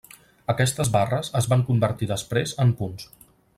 Aquestes barres es van convertir després en punts.